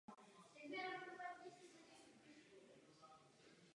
Nad osadou se nachází vodní nádrž Janov.